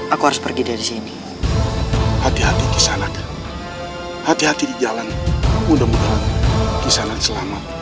aku harus pergi dari sini hati hati kisanat hati hati di jalan muda muda kisanat selamat